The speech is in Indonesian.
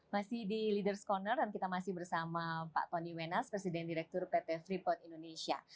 masih di ⁇ leaders ⁇ corner dan kita masih bersama pak tony wenas presiden direktur pt freeport indonesia